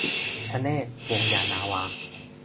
ธเนศ วงศ์ยานนาวา